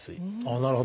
なるほど。